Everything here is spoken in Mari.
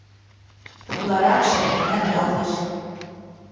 Утларакше — мемнан ял гыч.